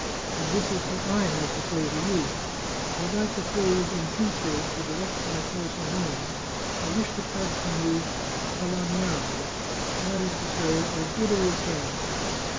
And this is what I have to say to you : As I propose, in future, to direct my course alone, I wish to part from you * d, I' amiable '— that is to say, as good old friends.